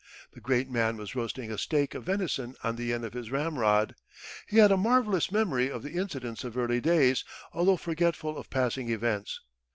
The great man was roasting a steak of venison on the end of his ramrod. He had a marvelous memory of the incidents of early days, although forgetful of passing events.